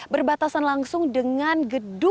berbatasan langsung dengan gedung